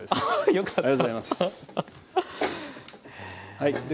ありがとうございます。